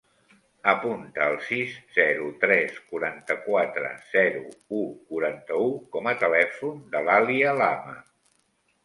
Apunta el sis, zero, tres, quaranta-quatre, zero, u, quaranta-u com a telèfon de l'Alia Lama.